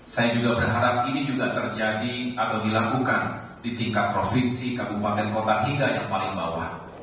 saya juga berharap ini juga terjadi atau dilakukan di tingkat provinsi kabupaten kota hingga yang paling bawah